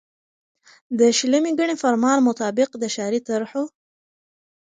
د شلمي ګڼي فرمان مطابق د ښاري طرحو